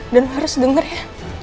dan lo harus denger ya